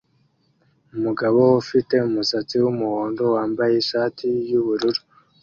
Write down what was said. Umugabo ufite umusatsi wumuhondo wambaye ishati yubururu